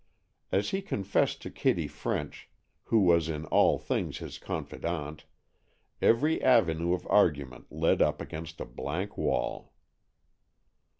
As he confessed to Kitty French, who was in all things his confidante, every avenue of argument led up against a blank wall.